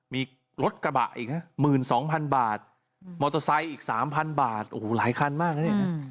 มีรถกระบะอีกนะ๑๒๐๐๐บาทมอเตอร์ไซค์อีก๓๐๐บาทโอ้โหหลายคันมากนะเนี่ย